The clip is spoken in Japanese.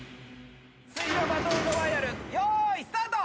水上バトルロワイヤル用意スタート。